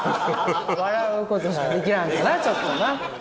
ちょっとな。